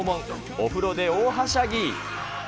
お風呂で大はしゃぎ。